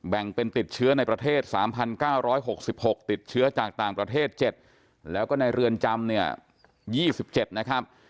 แบ่งเป็นติดเชื้อในประเทศ๓๙๖๖ติดเชื้อจากต่างประเทศ๗แล้วก็ในเรือนจำเนี่ย๒๗นะครับ